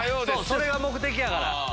それが目的やから。